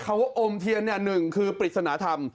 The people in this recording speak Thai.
คำว่าอมเทียนหนึ่งคือปริศนธรรม